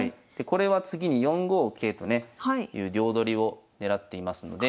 これは次に４五桂とねいう両取りを狙っていますので。